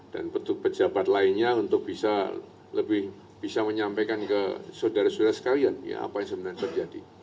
dan petugas pejabat lainnya untuk bisa lebih bisa menyampaikan ke saudara saudara sekalian ya apa yang sebenarnya terjadi